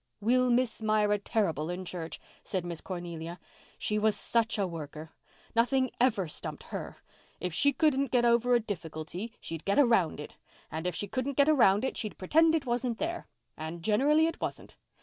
"We'll miss Myra terrible in church," said Miss Cornelia. "She was such a worker. Nothing ever stumped her. If she couldn't get over a difficulty she'd get around it, and if she couldn't get around it she'd pretend it wasn't there—and generally it wasn't.